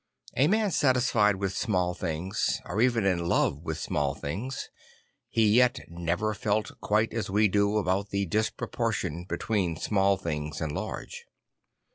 A man satisfied with small things, or even in love with small things, he yet never felt quite as we do about the dispro portion between small things and large.